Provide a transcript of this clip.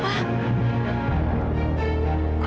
mas iksan kenapa